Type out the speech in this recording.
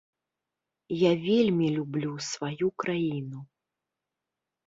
Я вельмі люблю сваю краіну.